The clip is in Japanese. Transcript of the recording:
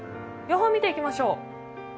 予報見ていきましょう。